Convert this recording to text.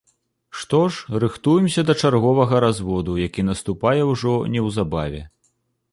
Што ж, рыхтуемся да чарговага разводу, які наступае ўжо неўзабаве.